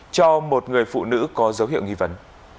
cho một người phụ nữ có dấu hiệu nghi vấn